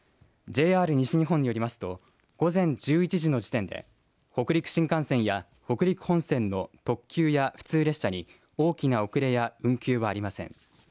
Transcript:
ＪＲ西日本によりますと午前１１時の時点で北陸新幹線や北陸本線の特急や普通列車に大きな遅れや運休はありません。